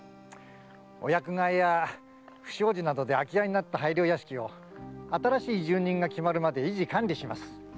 お役替えや不祥事などで空き家になった拝領屋敷を新しい住人が決まるまで維持管理します。